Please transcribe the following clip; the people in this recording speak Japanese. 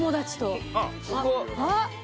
あっ！